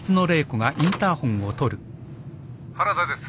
原田です。